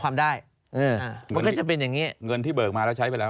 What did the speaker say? มันก็จะเป็นอย่างเนี้ย